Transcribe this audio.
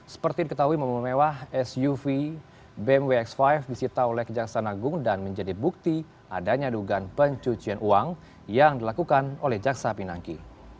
seperti diketahui mememewah suv bmw x lima disita oleh kejaksaan agung dan menjadi bukti ada nyadugan pencucian uang yang dilakukan oleh jaksa pinangki